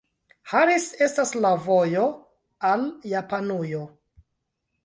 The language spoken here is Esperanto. Harris estas sur la vojo al Japanujo.